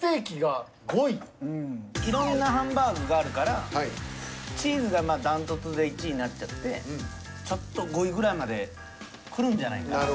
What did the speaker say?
いろんなハンバーグがあるからチーズがまあダントツで１位になっちゃってちょっと５位ぐらいまでくるんじゃないかって。